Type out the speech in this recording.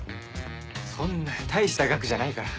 そんな大した額じゃないから。